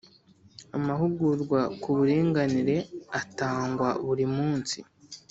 Amahugurwa ku buringanire atangwa burimunsi.